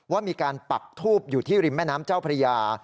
ว่ามีการปักทูบอยู่ที่ริมแม่น้ำเจ้าพระยา